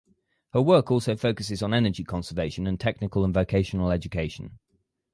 Her work also focuses on energy conservation and technical and vocational education.